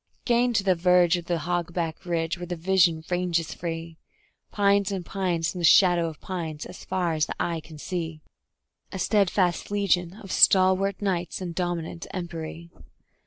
Gain to the verge of the hog back ridge where the vision ranges free: Pines and pines and the shadow of pines as far as the eye can see; A steadfast legion of stalwart knights in dominant empery.